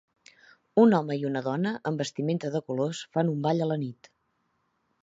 Un home i una dona amb vestimenta de colors fan un ball a la nit